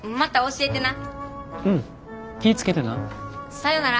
さよなら。